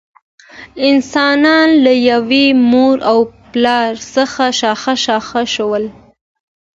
انسانان له یوه مور او پلار څخه شاخ شاخ شول.